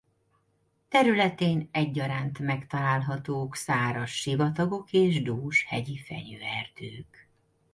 Területén egyaránt megtalálhatók száraz sivatagok és dús hegyi fenyőerdők.